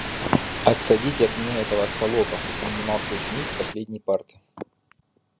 "Отсадите от меня этого остолопа!" - не унимался ученик с последней парты.